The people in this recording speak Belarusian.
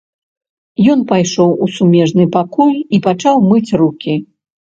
Ён пайшоў у сумежны пакой і пачаў мыць рукі.